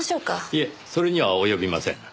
いえそれには及びません。